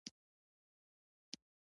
د خوست په موسی خیل کې د سمنټو مواد شته.